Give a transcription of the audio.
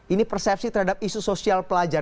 ini persepsi terhadap isu sosial pelajar